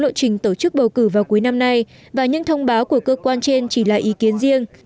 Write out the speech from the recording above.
lộ trình tổ chức bầu cử vào cuối năm nay và những thông báo của cơ quan trên chỉ là ý kiến riêng